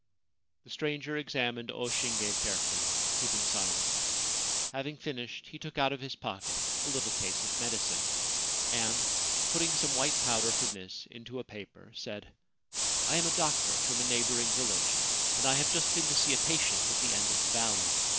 The stranger examined O Shinge carefully, keeping silence. Having finished, he took out of his pocket a 21 Ancient Tales and Folklore of Japan little case of medicine, and, putting some white powder from this into a paper, said :* I am a doctor from a neighbouring village, and I have just been to see a patient at the end of the valley.